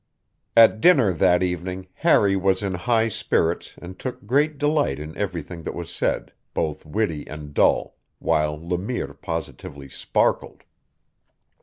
At dinner that evening Harry was in high spirits and took great delight in everything that was said, both witty and dull, while Le Mire positively sparkled.